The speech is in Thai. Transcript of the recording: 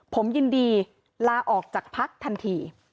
ผมยินดีลาออกจากพักทันที